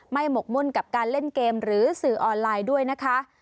หมกมุ่นกับการเล่นเกมหรือสื่อออนไลน์ด้วยนะคะ